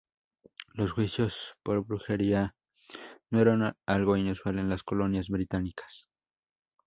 Los juicios por brujería no eran algo inusual en las Colonias Británicas.